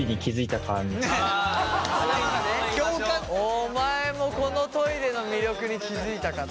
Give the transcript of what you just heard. お前もこのトイレの魅力に気付いたかと。